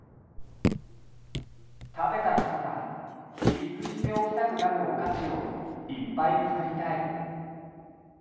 「食べた人が秘密にしておきたくなるお菓子をいっぱい作りたい」